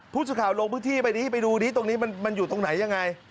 ผู้สื่อข่าวลงพื้นที่ไปดิไปดูดิตรงนี้มันอยู่ตรงไหนยังไง